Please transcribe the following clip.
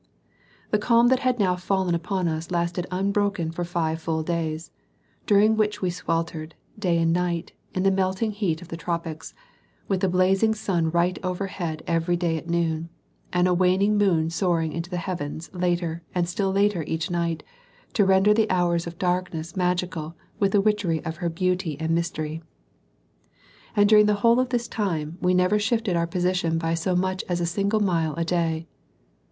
The calm that had now fallen upon us lasted unbroken for five full days, during which we sweltered, day and night, in the melting heat of the tropics, with the blazing sun right overhead every day at noon, and a waning moon soaring into the heavens later and still later each night to render the hours of darkness magical with the witchery of her beauty and mystery. And during the whole of this time we never shifted our position by so much as a single mile a day.